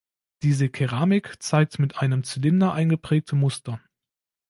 Diese Keramik zeigt mit einem Zylinder eingeprägte Muster.